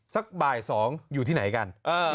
สักบ่าย๒อยู่ที่ไหนกัน